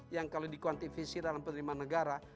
yang kalau dikuantivisi dalam penerimaan negara